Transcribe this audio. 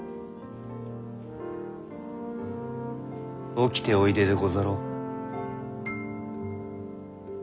起きておいででござろう。